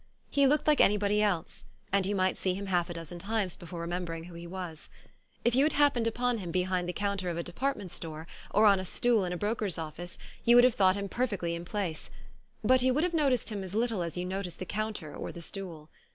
He looked like anybody else, and you might see him half a dozen times before remembering who he was. If you had happened upon him behind the counter of a department store or on a stool in a broker's office you would have thought him per fectly in place. But you would have noticed him as little as you noticed the counter or the stool.